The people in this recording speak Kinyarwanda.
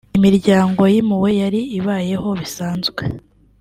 imiryango yimuwe yari ibayeho bisanzwe